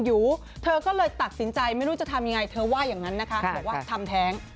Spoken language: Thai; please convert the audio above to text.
อยู่เธอก็เลยตัดสินใจไม่รู้จะทำยังไงเธอว่าอย่างนั้นนะคะบอกว่าทำแท้ง